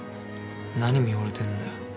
何見ほれてんだよ。